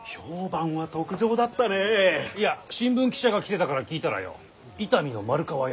いや新聞記者が来てたから聞いたらよ伊丹の丸川屋